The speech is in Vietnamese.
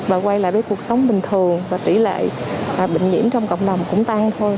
và quay lại với cuộc sống bình thường và tỷ lệ bệnh nhiễm trong cộng đồng cũng tăng thôi